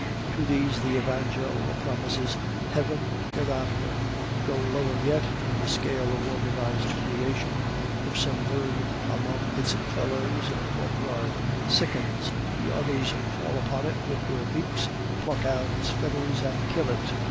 To these the Evangel promises heaven hereafter. Go lower yet in the scale of organized creation. If some bird among its fellows in the courtyard sickens, the others fall upon it with their beaks, pluck out its feathers, and kill it.